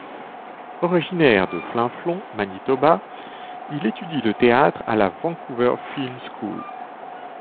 Originaire de Flin Flon, Manitoba, il étudie le théâtre à la Vancouver Film School.